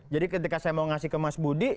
jadi ketika saya mau ngasih ke mas budi